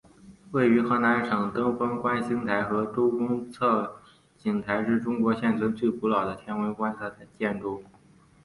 位于河南省的登封观星台和周公测景台是中国现存最古老的天文观测建筑。